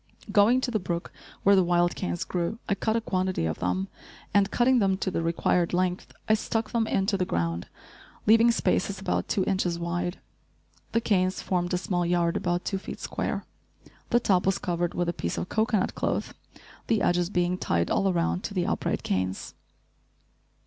Going to the brook where the wild canes grew, I cut a quantity of them and, cutting them to the required length, I stuck them into the ground, leaving spaces about two inches wide. The canes formed a small yard about two feet square. The top was covered with a piece of cocoanut cloth, the edges being tied all around to the upright canes.